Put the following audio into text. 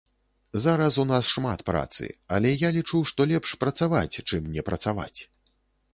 Зараз у нас шмат працы, але я лічу, што лепш працаваць, чым не працаваць.